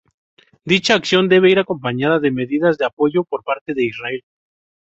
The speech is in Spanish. Dicha acción debe ir acompañada de medidas de apoyo por parte de Israel.